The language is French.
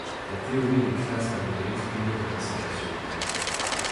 La théorie des classes permet de l'exprimer comme un seul axiome.